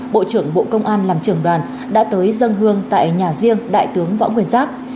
bộ trưởng bộ công an làm trưởng đoàn đã tới dân hương tại nhà riêng đại tướng võ nguyên giáp